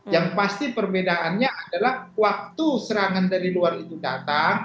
yang pasti perbedaannya adalah waktu serangan dari luar itu datang